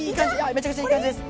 めちゃくちゃいい感じです。